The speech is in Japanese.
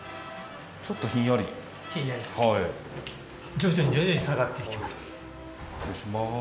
徐々に徐々に下がっていきます。